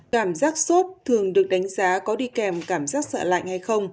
cảm giác xốp thường được đánh giá có đi kèm cảm giác sợ lạnh hay không